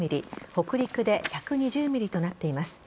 北陸で１２０ｍｍとなっています。